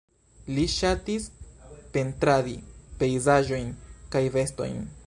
Li ŝatis pentradi pejzaĝojn kaj bestojn.